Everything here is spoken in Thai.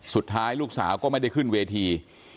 สุดท้ายลูกสาวก็ไม่ได้ขึ้นเวที